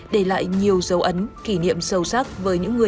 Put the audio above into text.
để lại nhận thỏa thuận